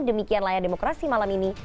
demikian layar demokrasi malam ini